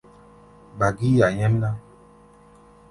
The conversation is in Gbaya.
Gba gíí ya nyɛ́mná!